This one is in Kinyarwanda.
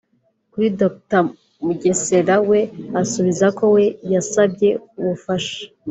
Kuri Dr Mugesera we asubiza ko we yasabye ubufasha